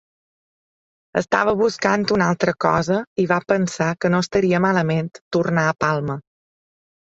Estava buscant una altra cosa i va pensar que no estaria malament tornar a Palma.